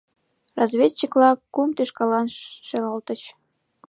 Разведчик-влак кум тӱшкалан шелалтыч.